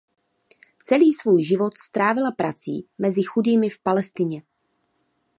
Celý svůj život strávila práci mezi chudými v Palestině.